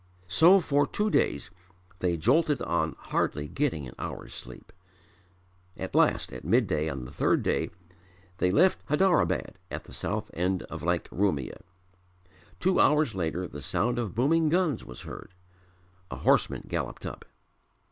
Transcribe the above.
So for two days they jolted on hardly getting an hour's sleep. At last at midday on the third day they left Hadarabad at the south end of Lake Urumia. Two hours later the sound of booming guns was heard. A horseman galloped up.